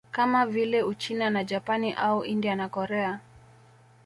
Kama vile Uchina na Japani au India na Korea